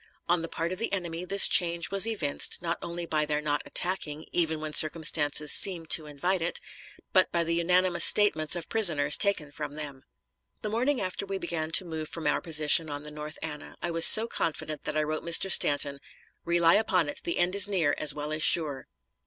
On the part of the enemy this change was evinced not only by their not attacking, even when circumstances seemed to invite it, but by the unanimous statements of prisoners taken from them. The morning after we began to move from our position on the North Anna I was so confident that I wrote Mr. Stanton, "Rely upon it, the end is near as well as sure."